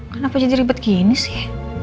kenapa jadi ribet gini sih